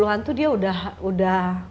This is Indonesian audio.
tujuh puluh an tuh dia udah